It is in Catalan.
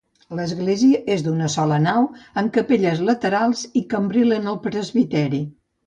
L'església és d'una sola nau amb capelles laterals i cambril en el presbiteri.